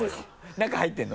中入ってるの？